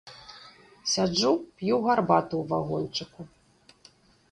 Сяджу, п'ю гарбату ў вагончыку.